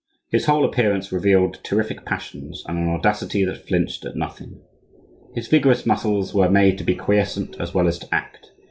His whole appearance revealed terrific passions, and an audacity that flinched at nothing. His vigorous muscles were made to be quiescent as well as to act.